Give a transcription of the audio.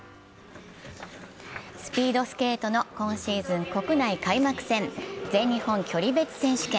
スピードスケートの今シーズン国内開幕戦、全日本距離別選手権。